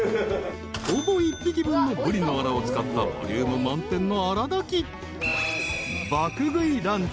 ［ほぼ１匹分のブリのあらを使ったボリューム満点の］